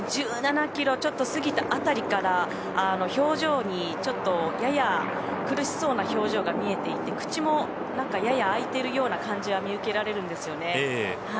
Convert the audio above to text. １７キロちょっと過ぎた辺りからやや苦しそうな表情が見えていて口もややあいてるような感じは見受けられるんですよね。